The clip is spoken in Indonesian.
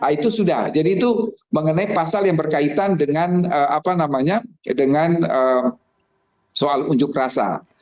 itu sudah jadi itu mengenai pasal yang berkaitan dengan soal ujuk rasa